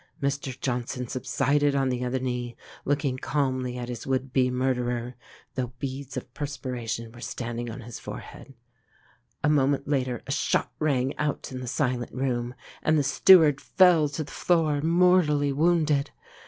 Mr Johnson subsided on the other knee, looking calmly at his would be murderer, though beads of perspiration were standing on his forehead. A moment later a shot rang out in the silent room, and the steward fell to the floor mortally wounded.